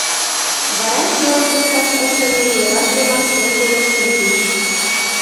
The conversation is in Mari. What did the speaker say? Вара чылан кушташ ыштыме леваш йымак теҥгылыш шинчыч.